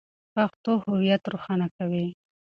پښتو هویت روښانه کوي.